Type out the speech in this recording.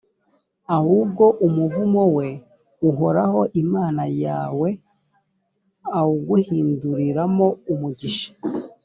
ahubwo umuvumo we uhoraho imana yawe awuguhinduriramo umugisha,